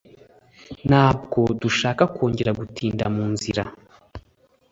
Ntabwo dushaka kongera gutinda mu nzira.